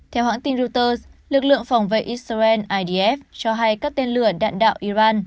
theo hãng tin reuters lực lượng phòng vệ israel idf cho hay các tên lửa đạn đạo iran